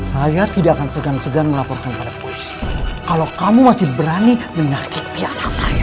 saya tidak akan segan segan melaporkan pada polisi kalau kamu masih berani menyakiti anak saya